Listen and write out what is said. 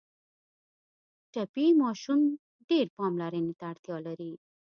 ټپي ماشوم ډېر پاملرنې ته اړتیا لري.